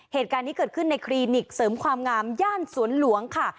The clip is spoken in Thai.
เหตุการณ์นี้เกิดขึ้นในคลินิกเสริมความงามย่านสวนหลวงค่ะ